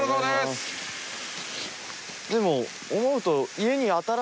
でも思うと。